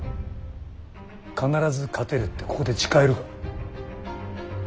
必ず勝てるってここで誓えるか。